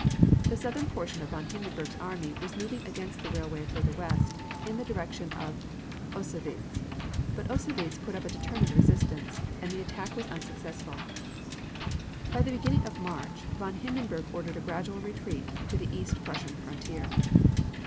The southern portion of von Hindenburg's army was moving against the railway further west, in the direction of Ossowietz. But Ossowietz put up a determined resistance, and the attack was unsuccessful. By the beginning of March, von Hindenburg ordered a gradual retreat to the East Prussian frontier.